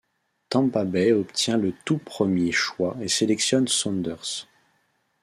Tampa Bay obtient le tout premier choix et sélectionne Saunders.